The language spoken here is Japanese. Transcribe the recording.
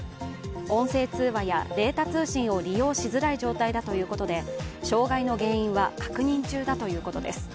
音声通話や、データ通信を利用しづらい状態だということで障害の原因は確認中だということです。